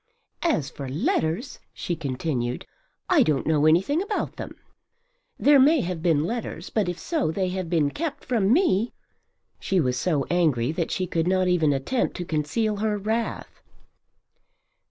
"As for letters," she continued, "I don't know anything about them. There may have been letters but if so they have been kept from me." She was so angry that she could not even attempt to conceal her wrath.